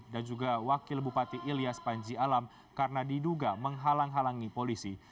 dan juga wakil bupati ilyas panji alam karena diduga menghalang halangi polisi